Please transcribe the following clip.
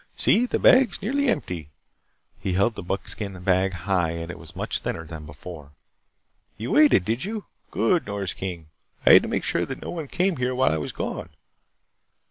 See, the bag is nearly empty." He held the buckskin bag high and it was much thinner than before. "You waited, did you? Good, Nors King. I had to make sure that no one came here while I was gone."